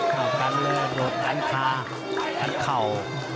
ข้าวทันเลยโดดทันค่า